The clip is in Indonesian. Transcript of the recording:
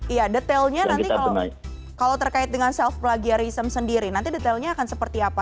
iya detailnya nanti kalau terkait dengan self plagiarism sendiri nanti detailnya akan seperti apa